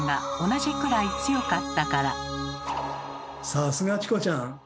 さすがチコちゃん！